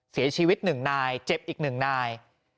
เสียชีวิตหนึ่งนายเจ็บอีกหนึ่งนาย